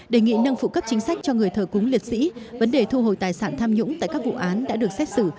đề nghị nâng phụ cấp chính sách cho người thờ cúng liệt sĩ vấn đề thu hồi tài sản tham nhũng tại các vụ án đã được xét xử